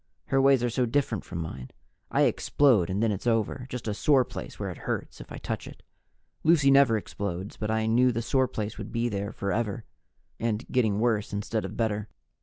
Her ways are so different from mine; I explode and then it's over just a sore place where it hurts if I touch it. Lucy never explodes, but I knew the sore place would be there forever, and getting worse instead of better.